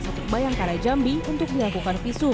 satuk bayangkarajambi untuk melakukan visum